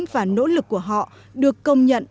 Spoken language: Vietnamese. và nỗ lực của họ được công nhận